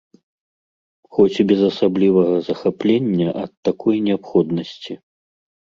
Хоць і без асаблівага захаплення ад такой неабходнасці.